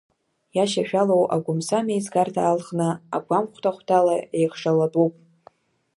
Иашьашәалоу агәамсамеизгарҭа алхны агәам хәҭа-хәҭала еихшалатәуп.